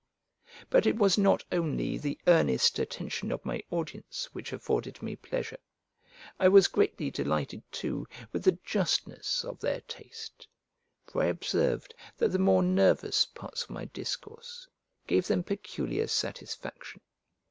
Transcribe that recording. But it was not only the earnest attention of my audience which afforded me pleasure; I was greatly delighted too with the justness of their taste: for I observed, that the more nervous parts of my discourse gave them peculiar satisfaction.